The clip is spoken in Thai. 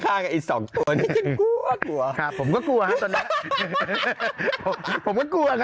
ไปล่าง